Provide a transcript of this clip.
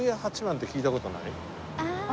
ああ。